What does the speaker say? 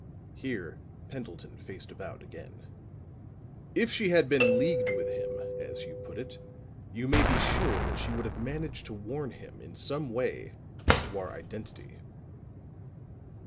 Here Pendleton faced about again. "If she had been leagued with him, as you put it, you may be sure that she would have managed to warn him in some way as to our identity.